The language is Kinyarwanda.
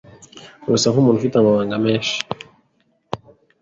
Urasa nkumuntu ufite amabanga menshi.